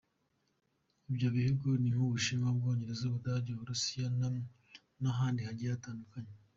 Ibyo bihugu ni nk’ubushinwa, Ubwongereza, Ubudage, Uburusiya n’ahandi hagiye hatandukanye.